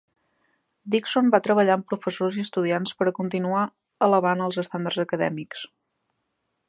Dixon va treballar amb professors i estudiants per a continuar elevant els estàndards acadèmics.